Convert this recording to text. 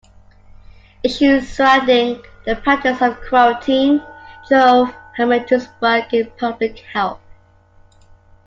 Issues surrounding the practice of quarantine drove Hamilton's work in public health.